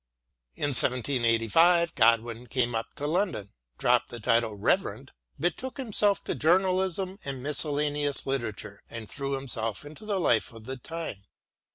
In 1785 Godwin came up to London, dropped the title of Reverend, betook himself to journalism and miscellaneous literature, and threw himself into the life of the time.